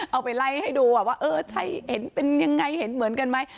เอาไปไล่ให้ดูว่าเออใช่เห็นเป็นยังไงเห็นเหมือนกันไหม